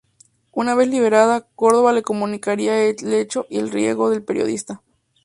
Una vez liberada, Córdoba le comunicaría el hecho y el riesgo al periodista.